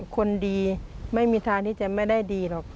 คนดีไม่มีทางที่จะไม่ได้ดีหรอก